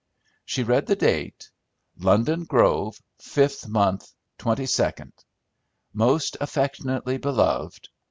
She read the date, "'London Grove, 5th month, 22d. Most affectionately beloved.'"